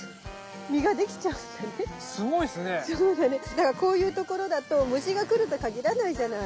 だからこういう所だと虫が来ると限らないじゃない。